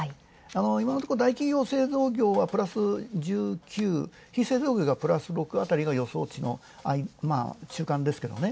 今のところ大企業製造業はプラス１９、非製造業がプラス６あたりが週間ですけど。